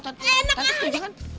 udah dah jangan mimpi tengah hari